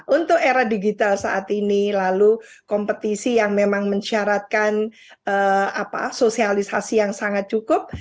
untuk era digital saat ini lalu kompetisi yang memang mensyaratkan sosialisasi yang sangat cukup